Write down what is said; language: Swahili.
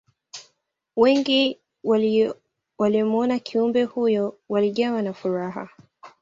wengi waliyomuona kiumbe huyo walijawa na furaha